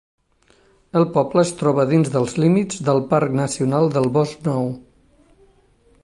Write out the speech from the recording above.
El poble es troba dins dels límits del Parc Nacional del Bosc Nou.